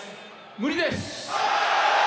無理です！